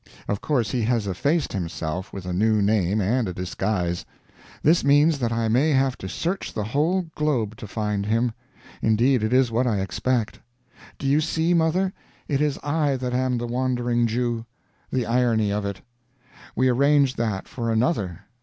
Of course he has effaced himself with a new name and a disguise. This means that I may have to search the whole globe to find him. Indeed it is what I expect. Do you see, mother? It is I that am the Wandering Jew. The irony of it! We arranged that for another.